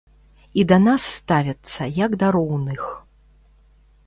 І да нас ставяцца як да роўных.